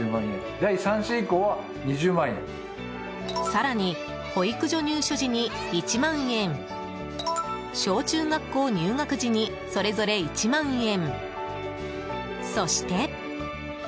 更に、保育所入所時に１万円小中学校入学時にそれぞれ１万円。